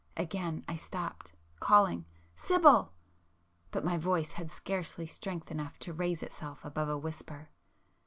Again I stopped,—calling "Sibyl!" but my voice had scarcely strength enough to raise itself above a whisper.